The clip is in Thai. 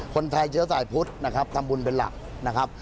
คนไทยเชื้อสายพุทธนะครับทำบุญเป็นหลักนะครับ